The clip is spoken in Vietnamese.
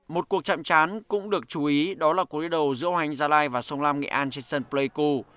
một cuộc chạm chán cũng được chú ý đó là cuộc đấu giữa hoành gia lai và sông lam nghệ an trên sân playco